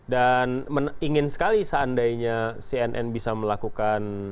dan ingin sekali seandainya cnn bisa melakukan